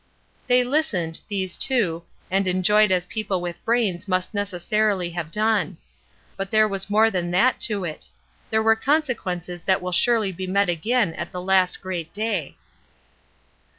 They listened these two, and enjoyed as people with brains must necessarily have done. But there was more than that to it; there were consequences that will surely be met again at the last great day.